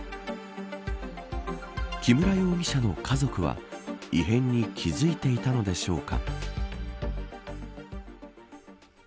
木村容疑者の家族は異変に気付いていたのでしょうか。